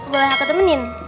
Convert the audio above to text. boleh aku temenin